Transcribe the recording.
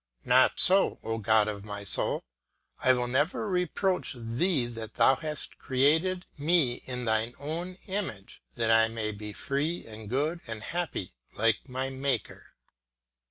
Not so, O God of my soul, I will never reproach thee that thou hast created me in thine own image, that I may be free and good and happy like my Maker!